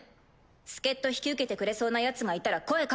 助っ人引き受けてくれそうなヤツがいたら声掛けといて。